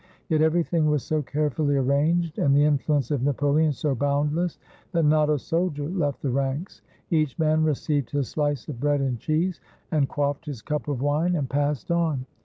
Yet everything was so carefully arranged, and the influence of Napoleon so boundless, that not a soldier left the ranks. Each man received his slice of bread and cheese, and quaffed his cup of wine, and passed on.